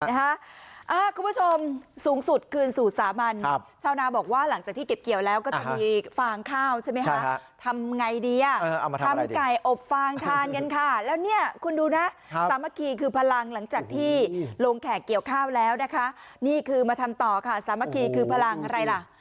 คุณผู้ชมสูงสุดคืนสู่สามัญชาวนาบอกว่าหลังจากที่เก็บเกี่ยวแล้วก็จะมีฟางข้าวใช่ไหมคะทำไงดีอ่ะทำไก่อบฟางทานกันค่ะแล้วเนี่ยคุณดูนะสามัคคีคือพลังหลังจากที่ลงแขกเกี่ยวข้าวแล้วนะคะนี่คือมาทำต่อค่ะสามัคคีคือพลังอะไรล่ะ